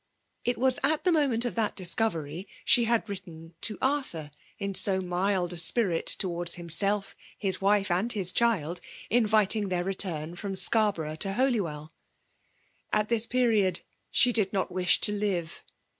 FBWALB DOMINATION. 36^ It was at th^ moment of that dibcovery> sh^ had written to Arthur in so mild a 9pmt to^ wards himself, his wife> his child, — invitSi^ iheir return firom Scarborough to Holywell. At this period she did not wish to live.